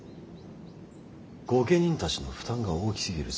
御家人たちの負担が大きすぎる。